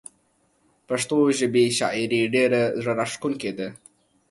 پښتو ژبې شاعري ډيره زړه راښکونکي ده